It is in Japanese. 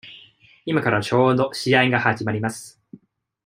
今からちょうど試合が始まります。